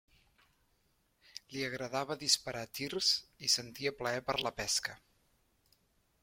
Li agradava disparar tirs i sentia plaer per la pesca.